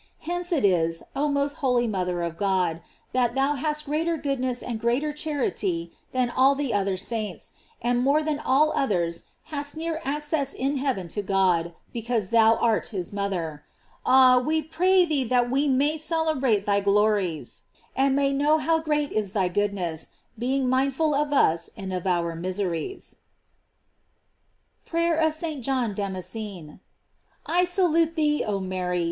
Hence it is, oh most holy mother of God, that thou hast greater goodness and greater charity than all the other saints, and more than all others hast near access in heaven to God, because thou art his mother. Ah, we pray thee that we may 328 GLORIES OF MARY. celebrate thy glories, and may know how great is thy goodness, being mindful of us and of our miseries. PRAYER OF ST. JOHN DAMASCENE. I SALUTE thee, oh Mary